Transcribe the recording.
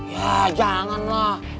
ya jangan lah